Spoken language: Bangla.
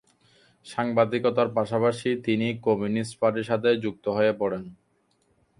সাংবাদিকতার পাশাপাশি তিনি কমিউনিস্ট পার্টির সাথে যুক্ত হয়ে পড়েন।